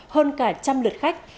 hơn cả trăm lượt khách